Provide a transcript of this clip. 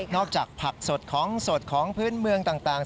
อกจากผักสดของสดของพื้นเมืองต่าง